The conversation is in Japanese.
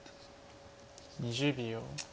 ２０秒。